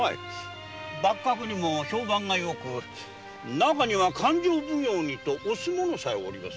幕閣にも評判がよく中には勘定奉行にと推す者もおります。